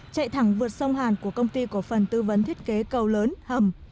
chạy thẳng vượt sông hàn của công ty cổ phần tư vấn thiết kế cầu lớn hầm